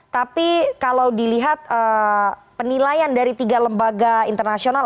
tapi kalau dilihat penilaian dari tiga lembaga internasional